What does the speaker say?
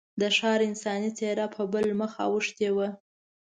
د ښار انساني څېره په بل مخ اوښتې وه.